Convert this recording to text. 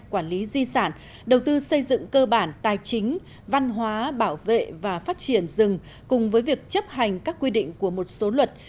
cư xây dựng cơ bản tài chính văn hóa bảo vệ và phát triển rừng cùng với việc chấp hành các quy định của một số luật